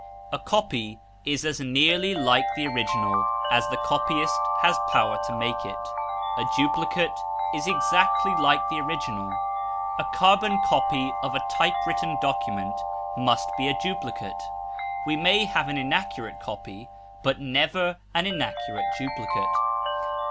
A copy is as nearly like the original as the copyist has power to make it; a duplicate is exactly like the original; a carbon copy of a typewritten document must be a duplicate; we may have an inaccurate copy, but never an inaccurate duplicate.